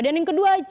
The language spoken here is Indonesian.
dan yang kedua